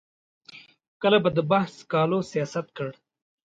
کله به د بحث سکالو سیاست کړ.